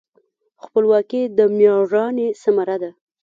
خپلواکي د میړانې ثمره ده.